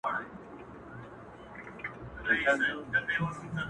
سپينه خولگۍ راپسي مه ږغوه.